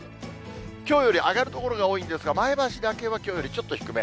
きょうより上がる所が多いんですが、前橋だけはきょうよりちょっと低め。